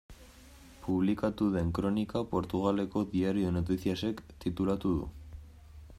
Publikatu den kronika Portugaleko Diario de Noticias-ek titulatu du.